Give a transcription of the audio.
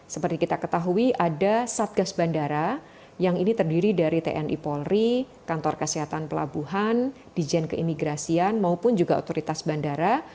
seperti kita ketahui ada satgas bandara yang ini terdiri dari tni polri kantor kesehatan pelabuhan dijen keimigrasian maupun juga otoritas bandara